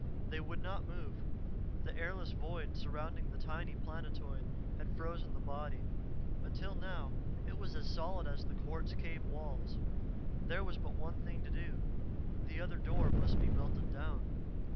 They would not move; the airless void surrounding the tiny planetoid had frozen the body until now it was as solid as the quartz cave walls. There was but one thing to do: the other door must be melted down.